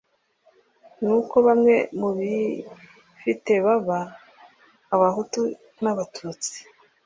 ni uko bamwe mu bifite baba abahutu n' abatutsi,